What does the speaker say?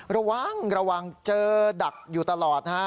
ระวังระวังเจอดักอยู่ตลอดนะฮะ